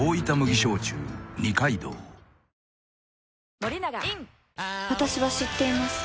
その私は知っています